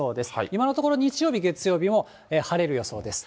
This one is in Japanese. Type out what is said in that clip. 今のところ、日曜日、月曜日も晴れる予想です。